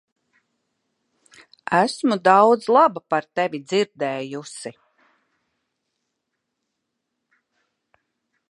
Esmu daudz laba par tevi dzirdējusi.